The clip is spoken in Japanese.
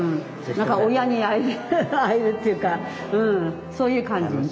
何か親に会えるっていうかうんそういう感じいつもね。